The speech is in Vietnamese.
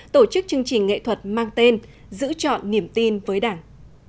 tổ chức chương trình nghệ thuật mang tên giữ chọn niềm tin với đảng